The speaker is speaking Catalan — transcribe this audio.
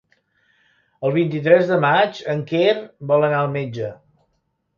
El vint-i-tres de maig en Quer vol anar al metge.